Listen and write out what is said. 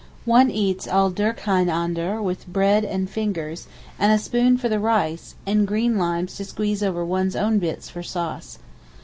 One eats all durcheinander with bread and fingers, and a spoon for the rice, and green limes to squeeze over one's own bits for sauce.